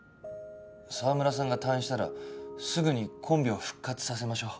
澤村さんが退院したらすぐにコンビを復活させましょう。